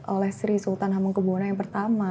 oleh sri sultan hamengkubwono yang pertama